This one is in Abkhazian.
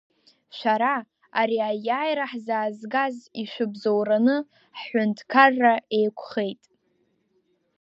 Шәара, ари Аиааира ҳзаазгаз ишәыбзоураны, ҳҳәынҭқарра еиқәхеит.